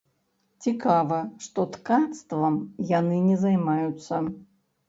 Цікава, што ткацтвам яны не займаюцца.